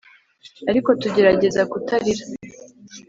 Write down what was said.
ariko turagerageza kutarira